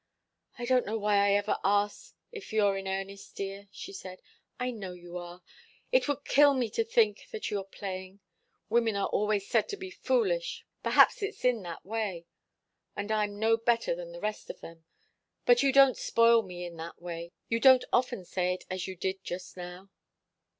"I don't know why I ever ask if you're in earnest, dear," she said. "I know you are. It would kill me to think that you're playing. Women are always said to be foolish perhaps it's in that way and I'm no better than the rest of them. But you don't spoil me in that way. You don't often say it as you did just now."